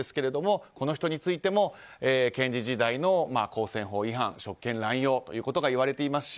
この人についても検事時代の公選法違反職権乱用ということが言われていますし